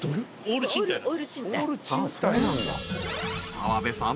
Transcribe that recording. ［澤部さん。